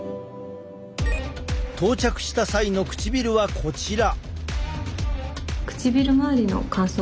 到着した際の唇はこちら。